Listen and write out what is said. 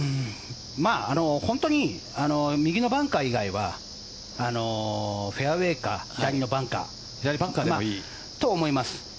本当に右のバンカー以外はフェアウェーか左のバンカーだと思います。